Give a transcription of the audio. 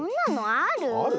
ある？